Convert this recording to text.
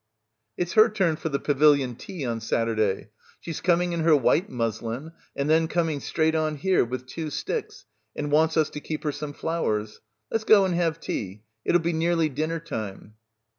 "It's her turn for the pavilion tea on Saturday. She's coming in her white muslin and then com ing straight on here with two sticks and wants us to keep her some flowers. Let's go and have tea. It'll be nearly dinner time."